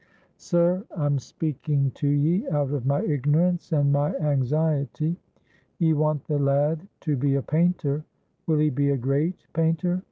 "Sir, I'm speaking to ye out of my ignorance and my anxiety. Ye want the lad to be a painter. Will he be a great painter?